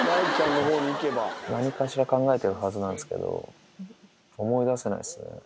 何かしら考えてるはずなんすけど、思い出せないっすね。